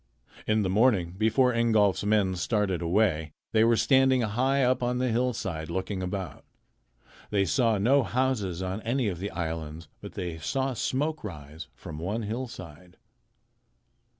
In the morning before Ingolf's men started away they were standing high up on the hillside, looking about. They saw no houses on any of the islands, but they saw smoke rise from one hillside.